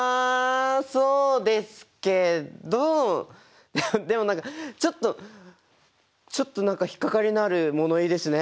そうですけどでも何かちょっとちょっと何か引っ掛かりのある物言いですね。